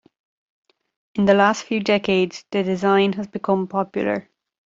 In the last few decades, the design has become popular.